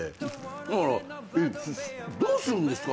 ほんなら「どうするんですか？